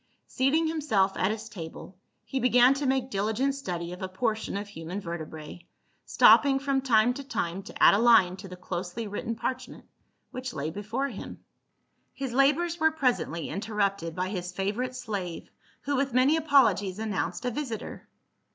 Seating himself at his table he began to make dili gent study of a portion of human vertebrae, stopping from time to time to add a line to the closely written parchment which lay before him. 7 98 FA UL. His labors were presently interrupted by his favorite slave, who with many apologies announced a visitor.